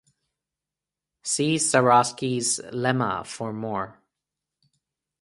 See Zariski's lemma for more.